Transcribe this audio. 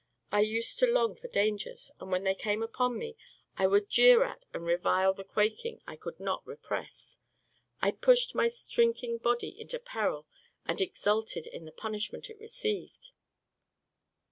I used to long for dangers, and when they came upon me I would jeer at and revile the quaking I could not repress. I pushed my shrinking body into peril and exulted in the punishment it received."